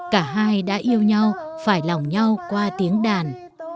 cả hai đã yêu nhau phải lòng nhau qua tiếng đàn